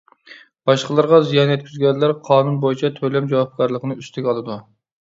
باشقىلارغا زىيان يەتكۈزگەنلەر قانۇن بويىچە تۆلەم جاۋابكارلىقىنى ئۈستىگە ئالىدۇ.